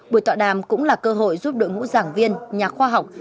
buổi tọa đàm cũng là cơ hội giúp đội ngũ giảng viên nhà khoa học